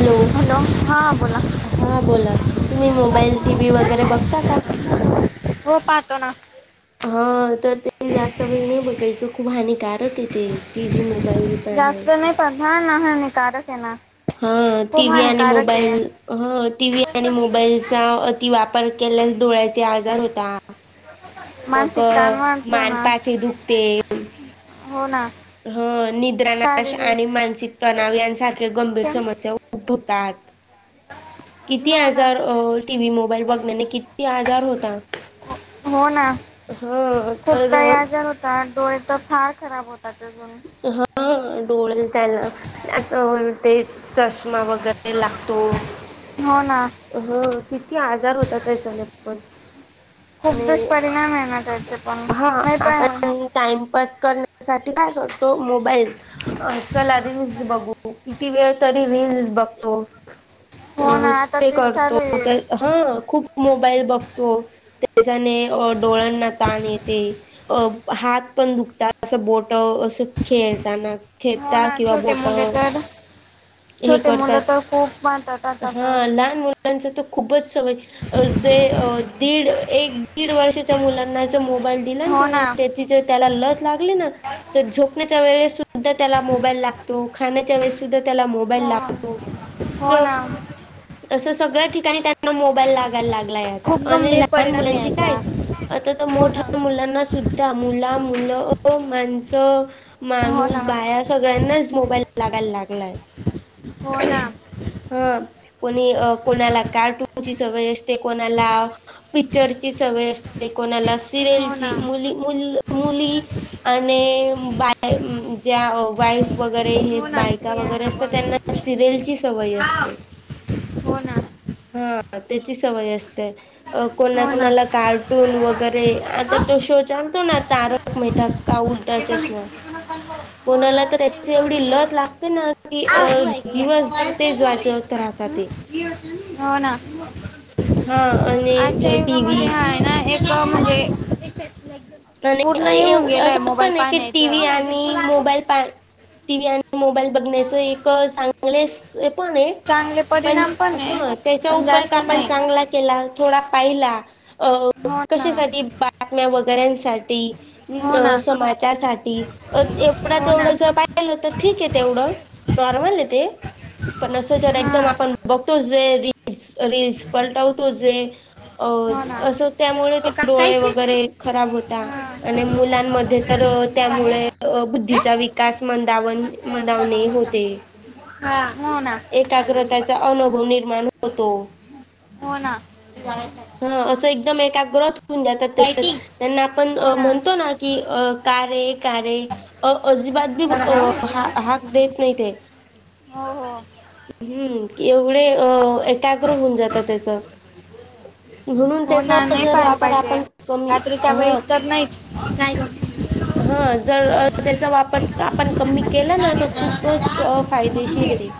Hello हा बोला हा बोला तुम्ही मोबाईल, टी व्ही वगैरे बघता का? हो पाहतो ना. हा तर ते जास्त वेळ नाही बघायचं खूप हानिकार [unintelligible] ते टीव्ही, मोबाईल जास्त पाहण्याच नाही पाहत हा ना हानिकारक आहे ना हा खूप टी व्ही, आणि हानिकारक आहे मोबाईल ह टीव्ही, आणि मोबाईलचा अति वाप पर केल्यास डोळ्याचे आजार होता. मग मानसिक ताण वाढतो ना मानपाठे दुखते. हो ना. ह निद्रानाश, आणि शारीरिक मानसिक तणाव, यांसारख्या गंभीर समस्या उद्भवतात. किती हो ना आजार अ टीव्ही मोबाईल बघण्याने किती आज जार होता. हो ना. हा खूप त तर याज होतात. डोळे तर फार खराब होत [unintelligible] डोळल त्याला [unintelligible] ते चश मा वगैरे लागतो, हो ना ह किती आजार होता त्याच्याने. पण खूप आणि दुष्परिणाम आहे ना त्याच. नाही पायुन. पस करण्यासाठी काय करतो, मोबाईल अ चला रील्स बघू किती वेळ तरी रिल्स बघतो. हो ना अ आता ते तेच चालू करतो आहे ह खूप मोबाईल बघतो. चने ओ डोळण. ताण येते, अ हात पण दुखतात, असं बोट असं. खेळताना, हो खेळता ना किंवा छोटे बोट मुले तर हे छोटे मुलं करतात. तर खूप मानतात आता ह तर लहान मुलं. मच त खूपच सवय अ जे दीड, एक दीड वर्षाच्या मुलांना च मोब काल दिला ना तुम्ही त्याची जर त्याला लत लागली ना तर झोपणे. त्या वेळस सु सुद्धा त्याला मोबाईल लागतो खाण्याच्या वेळेस सुद्धा त्याला मोबाईल हो लागतो हो च ना असं सगळ्या ठिकाणी त्यानी. अन मोबाईल लागायला लागलाय आता खूप आणि गंभीर लहान परिणाम मुलांची याचा काय आता तर हो ना मोठ्या मुलांना सुद्धा मुला मुलं तो माणसं हो ना माणूस बाया सगळ्यांनाच मोबाईल लागायला लागलाय. हो ना ह कोणी कोणाला कार्टूनची सवय असते कोणाला पिक्चरची सवय असते कोणाला हो ना सिरियलची मुली मुली आणि बाय बा बा ज्या वाईस. वगैरे हे हो ना बायका वगैरे स्त्रियांना असत पण त्यांना सिरियल ची सवय असते. हो ना ते हा. आत. त्याची सवय असते कोणा हो ना कोणाला कार्टून वगैरे आता हं? तो शो चालतो ना तार. तारक मेहता का उलटा चष्म कोणाला तर त्याची एवढी लत लागते ना की अ दिवसभर तेच वाच चत राहतात ते हो ना. हा आजच्या आणि टीव्ही युगामध्ये हा आहे ना एक क म्हणजे लग्न अ तुम ऐऊ असं पण आहे की टी व्ही आणि मोबाईल पाहू. टी व्ही आणि मोबाईल. बघण्याच एक सांग. पुलिस. तसपण ये चांगले पण परिणाम आहे हा त्याचा पण उपाय जास्त आपण नाही चांगला केला थोडा पाहिला अ हो ना कशासाठी बातम्या बघतो. करेन. साठी हो ना समाजासाठी हो ना एवढतेवढ जर पाहिलं तर ठीक आहे तेवढ नॉर्मल ते पण अस जर हां एकदम आपण बघतो जे दि अस रिळस पलटवतो जे अअ हो ना असं त्यामुळे हो का डोळे कायची वगैरे खराब होत. हां आणि मुलांमध्ये तर हे? त्यामुळे बुद्धीचा विका असमन [unintelligible] मवणे होते हां हो ना एकाग्रतेचा अनुभव निर्माण होतो हो ना हा असं एकदम एक एकाग्र जातात [inaudible] लाइटिंग त्यांना म्हणतो ना की, का रे? कार रे? अजिबात बी हो हाक देत नाही ते हो [inaudible] की पुढे एकाग्र होऊन जात त्याच म्हणून हो ना त्याचा नाही जर पाहायला वापर पाहिजे आपण कमी रात्रीच्या हा.. वेळेस [inaudible] काय [unintelligible] हा जर त्याचा वापर आपण कमी केला ना तर खूपच फायदेशीर आहे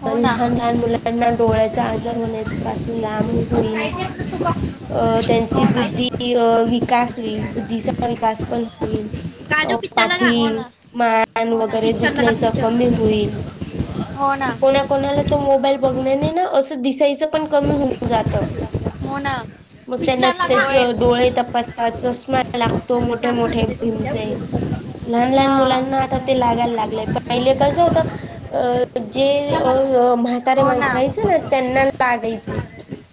हो ना लहान लहान मुलांना डोळ्याचा आजार होण्यास पासू [unintelligible] होईल काय ते तुका? अं त्यांची हो ना बुद्धी अ विकास होईल बुद्धीचा विकास पण होईल अ काजू पिक्चरला का हो पाठी ना मान हो ना वगैरे पिक्चरला का दुखण्याचा कमी पिक्चर होईल. हो ना कोणा? कोणाला? त मोबाईल बघ नाही ना. त दिसायचं पण कमी होऊन जातं. हो ना मग त्यांना पिक्चरला का त्याच डोळे तपासतात चषमा लागतो. हा मोठे मोठे बींगचे लहान लहान मुलांना आता ते लागायला लागलेय पहिले कस होत अ, जे हो अ म्हातारे माणसं राहायचे ना त्यांना लागायचे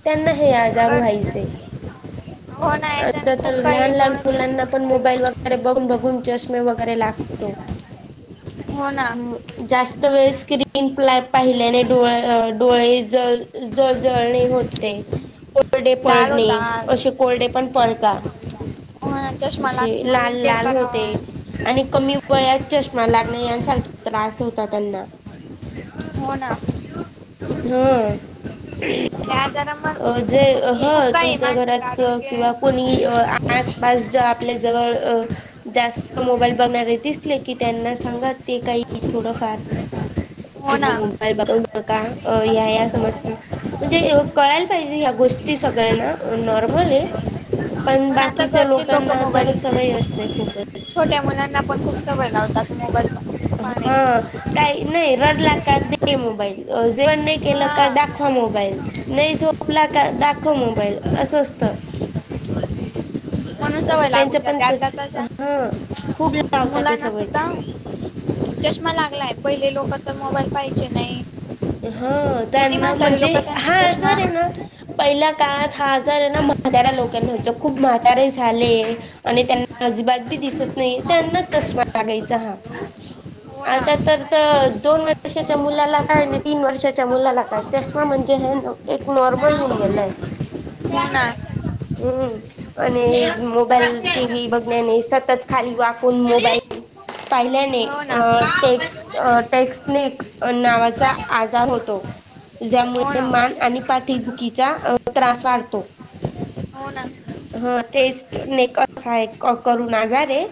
त्यांना हे आजार पण व्हायचे हो ना याच्याने आता खूप तर काही लहान लहान डोळ्याचे मुलांना पण मोबाईल वग अरे बघून बघून जास् वगैरे लागतो हो ना [inaudible] जास्त वेळ [unintelligible] पाहिल्याने डो डोळे ज जजळणे होते. कोरडे लाल पडणे होतात अशीे कोरडे [unintelligible] हो ना चष्मा लागतो [unintelligible] लाल अजून चेक लाल होते करावा आणि कमी वयात चष्मा लागणे यांसारखे त्रास होतात [unintelligible] ना [unintelligible] हो ना त्या आजारा मग ह ज खूप ह काही आहे तुमच्या मानसिक घरात आरोग्य किंवा कोणीही आसपास आपल्या जवळ जास्त मोबाईल बघणार येतेस की त्यांना सांगात ते काही थोडं फार हो किवा ना मोबाईल का या या समस्त म्हणजे कळायला पाहिजे ह्या गोष्टी सगळ्यांना नॉर्मल ये. पण आता बाकीच्या घरचे लोक लोकांना तर मोबाईल सवय असते खूपच छोट्या मुलांना पण खूप सवय लावतात मोबाईल नं हा काही नाही रडला का दे मोबाईल जेवण नाही केलं हा का दाखवा मोबाईल नही झोपला का दाखव मोबाईल असं असत म्हणून सवय लागून जाते आता तशा हा खूप लावतात ते मुलांना सवय सुद्धा चष्मा लागलाय पहिले लोक तर मोबाईल पाहाचे नाही. ह किती त्यांना म्हातारे म्हणजे लोक त्यांना हा चष्मा आजार ये ना पहिल्या काळात हा आजार हाय ना म्हातारा लोकांना व्हायच खूप म्हातारे झाले आणि त्यांना अजिबात बी दिसत नाही त्यांना चष्मा लागायचा हा हो ना आता तर त दोन वर्षाच्या मुलाला काय नाही तीन वर्षाच्या मुलाला काय चष्मा म्हणजे हे एक नॉर्मल होऊन गेलय. हो ना हम्म हो ना आणि हो ना मोबाईल टी व्ही बघण्याने सतत खाली वाकून हो मोबाईल पाहिल्याने ना टेक्स् टेक्स्टनिक नावाचा आजार होतो ज्यामुळे मान आणि पाठीदुखीचा त्रास वाढतो. ह टेस्ट नेकर हा एक करून आजार ये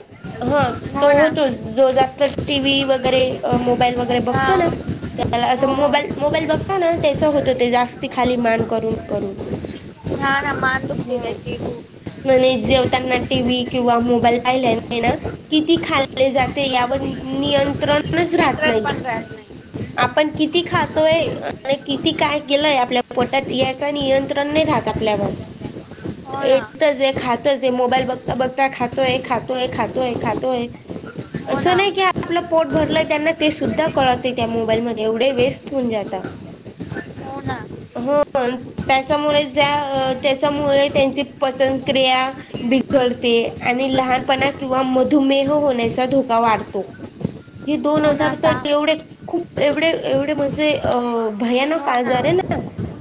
ह तो हो ना होतो जो जास्त टी व्ही वगैरे मोबाईल वगैरे हा बघतो ना त्याला हो असं हो मोबाल मोबाईल बघता ना त्याच होतं ते जास्त खाली मान करून करून हा ना मान दुखते त्याची खूप तांना टी व्ही किंवा मोबाईल पाहिल्याने ना किती खाल्ले जाते यावर नियंत्रणच राह नियंत्रण पण राहत नाही. आपण किती खातोय आणि किती काय केलंय आपल्या पोटात याचा नियंत्रण नाही राहत आपल्यावर हो ना येतच ये खातच ये मोबाईल बघता बघता खातोय खातोय खातोय खातोय हो असं ना नाही की आपलं पोट भरलंय त्यांना ते सुद्धा कळत ते त्या मोबाल मध्ये एवढे वेस्त होऊन जाता हो ना हो त्याच्यामुळे ज्या त्याच्यामुळे त्यांची पचनक्रिया बिघडते आणि लहानपणा किंवा मधुमेह होण्याचा धोका वाढतो हे दोन हो ना आजार तर ताप एवढे खूप एवढे एवढे म्हजे अ भयानक आजार हे ना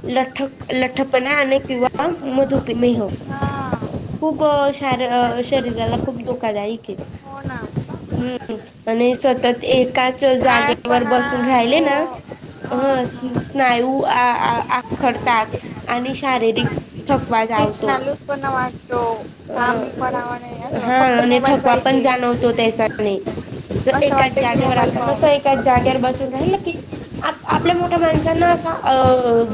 लठ लठ्ठपणा आणि किंवा मधुपेमेह हा खूप शार शरीराला खूप धोकादायिक ये हो ना हम् आणि सतत एकाच च जागे वर आळसपणा बसून राहिले हो ना हा ह हा स स्नायू आ आ आ आखडतात आणि शारीरिक थक तेच ना लूज पण वाढ अ हा वाट- फक्त आणि मोबाईल थकवा पण पाहिजे जाणवतो त्याचाने ज असं एकाच वाटतं की जागेवर मोबाईल आपण असं पाहू एकाच जागेवर बसून राहिल की आप आपल्या मोठ्या माणसांना असं अ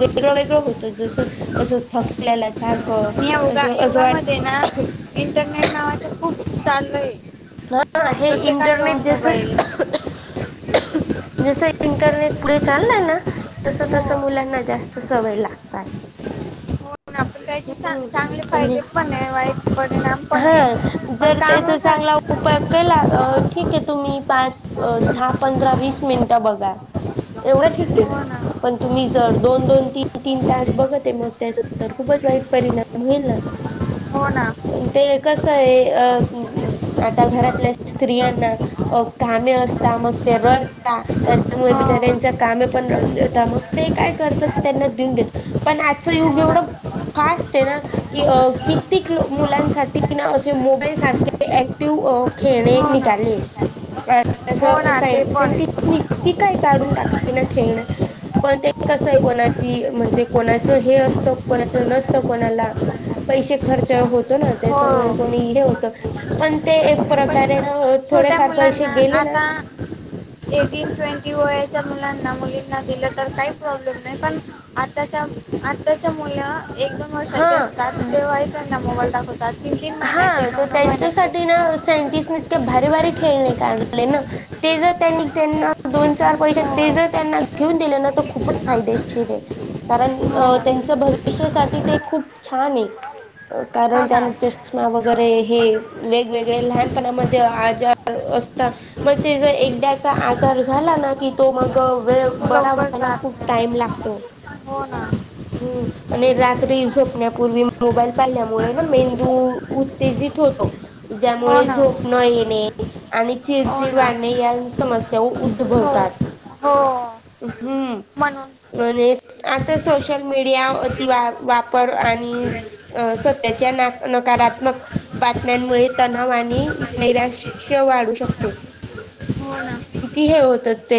वेगळं वेगळं होतो जसं असं थकलेल्या सारखं योगा असं असं योगामध्ये ना वाट इंटरनेट नावाच खूप चालय हा हे इंटरनेट जस जस इंटरनेट पुढे चाललय ना तस हो तस मुलांना जास्त सवय लागताय. हो ना त्याचे हम्म चांगले आणि फायदे पण आहे, वाईट परिणाम पण हा आहे पण जर त्याचा कामच चांगला अस उपाय केला अ, ठीक आहे [unintelligible] तुम्ही पाच अ धा पंधरा वीस. मिनट बघा येवडे ठीक हे हो ना पण तुम्ही जर दोन-दोन तिन-तिन तास बघत हे मग त्याच उत खूपच वाईट परिणाम होईल ना, हो ना पण ते कसं आहे अ आता घरातल्या स्त्रियांना कामे असता मग ते रडता त्याच्यामुळे हो बिचाऱ्यांच्या कामे पण रहुन जेत मग ते काय करतात त्यांना देऊन देत पण आजचं युग हो ना एवढं. फास्ट टेना की अ की कित्येक मुलांसाठी ना असे मोबाईल सारखे ऍक्टिव्ह खेळणे हो ना निघाले [inaudible] अस हो ना साई ते पण [inaudible] की काय काढून टाकले ना खेळण पण ते कसं आहे, कोणाची म्हणजे कोणाचं हे असतं. कोणाच नसतं कोणाला पैसे खर्च होतो ना? हो त्यास्यामुळे कोणी हे होतं पण ते एक पण प्रकारे ना छोट्या थोडेफार पैसे मुलांना गेले ना आता एटिन ट्वेंटी वेन च्या मुलांना मुलींना दिलं तर काही प्रॉब्लेम नाही पण आताच्या आताच्या मुला एक दोन हा वर्षाचे असतात तेव्हा त्यांना मोबाईल दाखवतात तीन तीन महिन्याचे हा तर नऊ नऊ त्यांच्यासाठी महिन्याचे ना सायंटिस्ट मी इतक्या भारी भारीे के खेळणी काढले ना, ते जर त्यांनी त्यांना दोन-चार पैसे हो ते जर त्यांना घेऊन दिले ना खूपच फायदेशीर आहे कारण हो अ त्यांच भविष्यासाठी ते खूप छान हे हो कारण ना त्यानचे सु छया वगैरे हे वेगवेगळे लहानपणामध्ये आजार असतात मग ते ज एकदासा आजार झाला ना कि तो मग अ वेळ तो बरा लवकर व्हायला जात खूप टाइम नाही लाग तो हो ना हम आणि रात्री झोपण्यापूर्वी मोबाईल पाहील्यामुळे में तु उत्तेजित होतो हो ज्यामुळे ना झोप न येणे आणि चिडचिड ना वाणे यान समस्या [unintelligible] हो हो [unintelligible] म्हणून हम् आणि आता सोशल मीडिया अतिवा वापर आणि सत्याच्या ना नकारात्मक बातम्यांमुळे तणाव आणि नैराश्य वाढू शकते. हो ना किती हे होत ते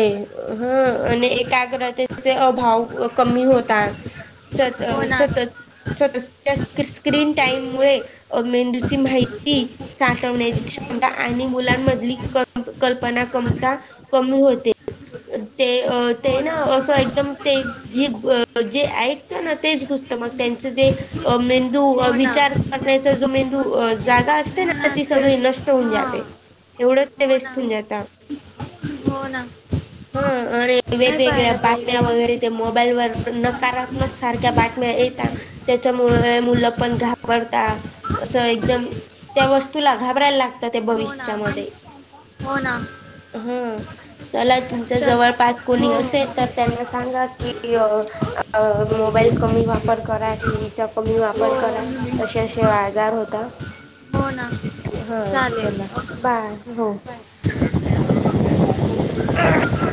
हं आणि एकाग्रतेचे अभाव कमी होता सतत हो अ ना सतत स्वता च्या क्रीस स्क्रीन टाइम मुळे अ मेंदूची माहिती साठवण्याची क्षमता आणि मुलांमधली क कल्पना कमी ता कमी होते ते ना अस एकदम ते ज जे ऐकत ना तेच सूचत मग त्यांचे जे मेंदू हो ना विचार करण्याचा जो मेंदू जागा असते ना. अ हां ती सगळी तेच नष्ट होऊन हां जाते एवढंच ते हो ना व्यस्त होऊन जाता हो ना ह आणि नाही वेगवेगळ्या पाहिलं बातम्या पाहिजे वगैरे ते मोबाईल वर नकारात्मक सारख्या बातम्या येता त्याच्यामुळे मुलं पण घाबरता असं एकदम त्या वस्तूला घाबरायला लागता ते हो ना भविष्यामध्ये. हो ना हं चला तुमच्या चल जवळ पास हो कोणी असेल तर त्यांना सांगा की अ मोबाईल कमी वापर करा टीव्हीचा कमी हो वापर करा असे असे आजार होता. हो ना हा चालेल चला बाय. हो. [inaudible]